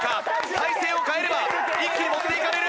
体勢を変えれば一気に持っていかれる！